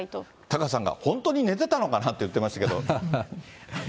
タカさんが、本当に寝てたのかなって言ってましたけど。